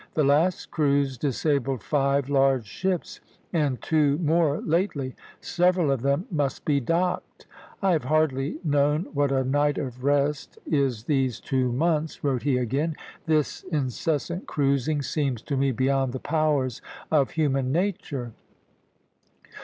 The last cruise disabled five large ships and two more lately; several of them must be docked." "I have hardly known what a night of rest is these two months," wrote he again; "this incessant cruising seems to me beyond the powers of human nature.